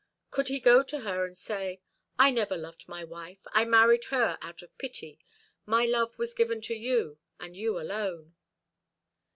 Could he go to her and say, "I never loved my wife; I married her out of pity; my love was given to you, and you alone!"